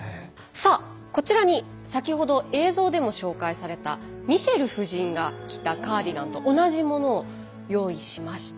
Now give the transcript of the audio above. さあこちらに先ほど映像でも紹介されたミシェル夫人が着たカーディガンと同じものを用意しました。